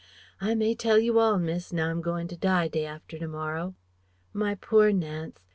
I may tell you all, miss, now I'm goin' to die, day after to morrow. My poor Nance!